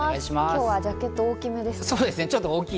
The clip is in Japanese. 今日はジャケット大きめですね。